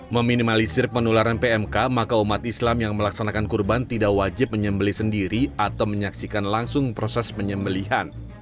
meminimalisir penularan pmk maka umat islam yang melaksanakan kurban tidak wajib menyembeli sendiri atau menyaksikan langsung proses penyembelihan